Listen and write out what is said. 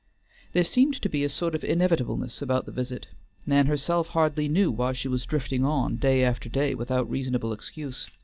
There seemed to be a sort of inevitableness about the visit; Nan herself hardly knew why she was drifting on day after day without reasonable excuse.